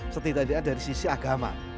setidaknya dari sisi agama